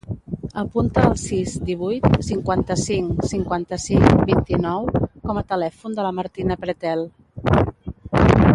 Apunta el sis, divuit, cinquanta-cinc, cinquanta-cinc, vint-i-nou com a telèfon de la Martina Pretel.